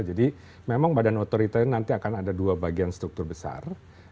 jadi memang badan otoritas nanti akan ada dua bagian struktur besar